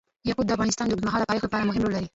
یاقوت د افغانستان د اوږدمهاله پایښت لپاره مهم رول لري.